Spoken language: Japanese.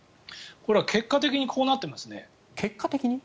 これは結果的にこうなっていますね。